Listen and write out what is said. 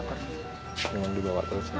bisa dibawa terus